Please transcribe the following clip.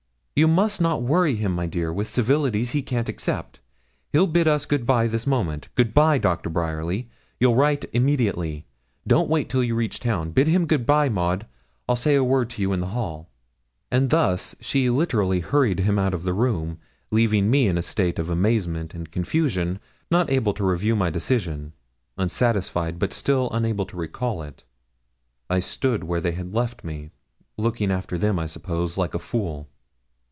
'You must not worry him, my dear, with civilities he can't accept. He'll bid us good bye this moment. Good bye, Doctor Bryerly. You'll write immediately; don't wait till you reach town. Bid him good bye, Maud. I'll say a word to you in the hall.' And thus she literally hurried him out of the room, leaving me in a state of amazement and confusion, not able to review my decision unsatisfied, but still unable to recall it. I stood where they had left me, looking after them, I suppose, like a fool.